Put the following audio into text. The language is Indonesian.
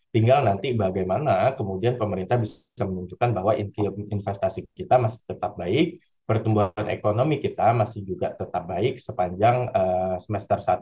tinggal nanti bagaimana kemudian pemerintah bisa menunjukkan bahwa investasi kita masih tetap baik pertumbuhan ekonomi kita masih juga tetap baik sepanjang semester satu